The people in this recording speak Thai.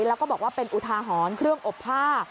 แล้วก็บอกว่าเป็นอุทาหรณ์เครื่องอบผ้า